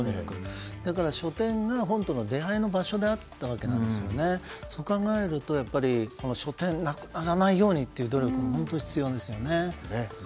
だから書店が本との出会いの場所であったわけですからそう考えると書店がなくならないような努力が本当に必要ですよね。